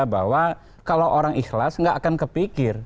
bahwa kalau orang ikhlas nggak akan kepikir